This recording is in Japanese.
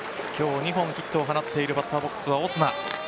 今日２本ヒットを放っているバッターボックスのオスナ。